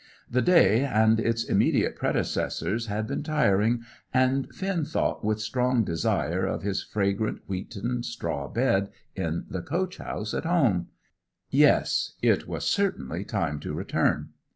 The day, and its immediate predecessors, had been tiring, and Finn thought with strong desire of his fragrant wheaten straw bed in the coach house at home. Yes, it was certainly time to return.